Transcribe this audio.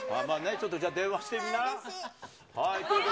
ちょっと電話してみな。